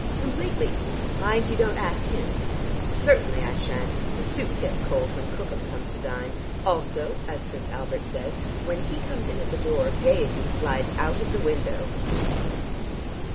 "Completely. Mind you don't ask him." "Certainly I shan't. The soup gets cold when Cookham comes to dine. Also, as Prince Albert says, when he comes in at the door gaiety flies out of the window."